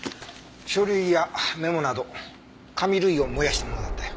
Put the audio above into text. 書類やメモなど紙類を燃やしたものだったよ。